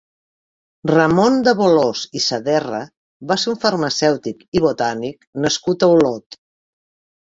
Ramon de Bolòs i Saderra va ser un farmacèutic i botànic nascut a Olot.